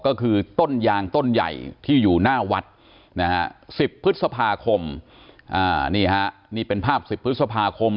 ก็คือต้นยางต้นใหญ่ที่อยู่หน้าวัดสิบพฤษภาคมนี่เป็นภาพสิบพฤษภาคม